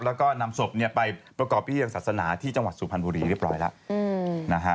แล้วก็นำศพไปประกอบพิธีทางศาสนาที่จังหวัดสุพรรณบุรีเรียบร้อยแล้วนะฮะ